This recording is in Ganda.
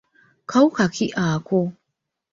Kawuka ki ako?